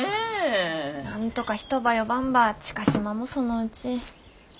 なんとか人ば呼ばんば知嘉島もそのうち。